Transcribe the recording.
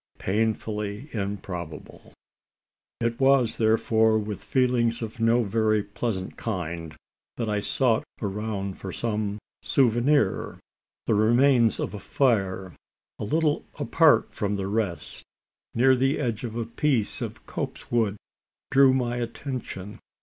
Painfully improbable! It was therefore with feelings of no very pleasant kind that I sought around for some souvenir. The remains of a fire, a little apart from the rest, near the edge of a piece of copsewood, drew my attention.